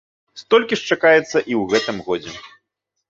Столькі ж чакаецца і ў гэтым годзе.